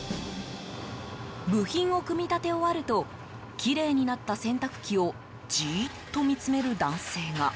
部品を組み立て終わるときれいになった洗濯機をじーっと見つめる男性が。